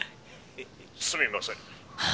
「すみません」。